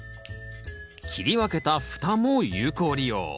切り分けたふたも有効利用。